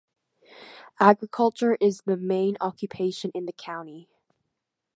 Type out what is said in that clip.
Agriculture is the main occupation in the county.